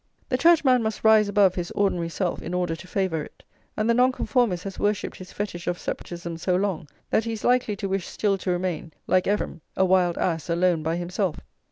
The Churchman must rise above his ordinary self in order to favour it; and the Nonconformist has worshipped his fetish of separatism so long that he is likely to wish still to remain, like Ephraim, "a wild ass alone by himself."